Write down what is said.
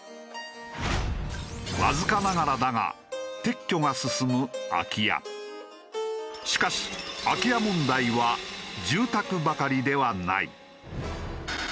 わずかながらだがしかし空き家問題は住宅ばかりではない。